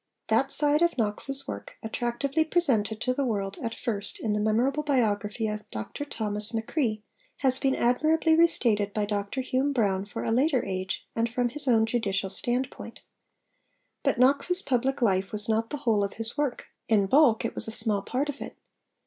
That side of Knox's work, attractively presented to the world at first in the memorable biography of Dr Thomas M'Crie, has been admirably restated by Dr Hume Brown for a later age and from his own judicial standpoint. But Knox's public life was not the whole of his work: in bulk, it was a small part of it.